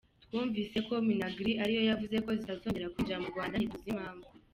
Twumvise ko Minagri ariyo yavuze ko zitazongera kwinjira mu Rwanda ntituzi impamvu.